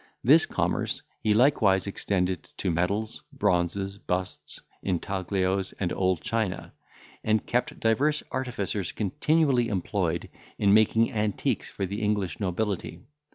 This commerce he likewise extended to medals, bronzes, busts, intaglios, and old china, and kept divers artificers continually employed in making antiques for the English nobility.